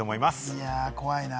いや、怖いな。